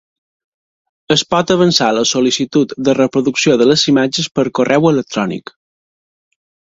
Es pot avançar la sol·licitud de reproducció de les imatges per correu electrònic.